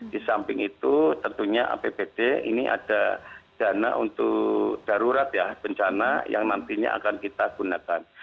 di samping itu tentunya apbd ini ada dana untuk darurat ya bencana yang nantinya akan kita gunakan